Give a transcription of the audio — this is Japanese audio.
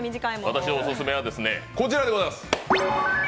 私のオススメはこちらでございます。